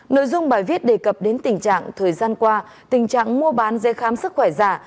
nội dung bài viết đề cập đến tình trạng thời gian qua tình trạng mua bán dây khám sức khỏe giả